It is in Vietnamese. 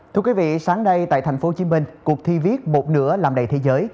thưa quý vị sáng nay tại tp hcm cuộc thi viết một nửa làm đầy thế giới